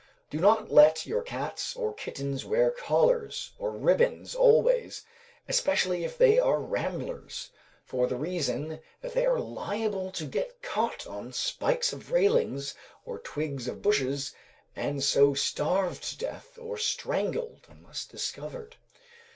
Do not let your cats or kittens wear collars or ribbons always, especially if they are ramblers, for the reason that they are liable to get caught on spikes of railings or twigs of bushes, and so starved to death, or strangled, unless discovered.